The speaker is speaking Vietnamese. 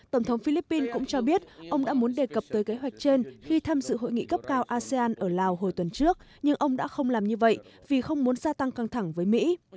tổng thống philippines cũng cho biết ông đã muốn đề cập tới kế hoạch trên khi tham dự hội nghị cấp cao asean ở lào hồi tuần trước nhưng ông đã không làm như vậy vì không muốn gia tăng căng thẳng với mỹ